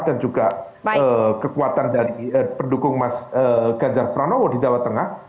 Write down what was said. dan juga kekuatan dari pendukung mas ganjar pranowo di jawa tengah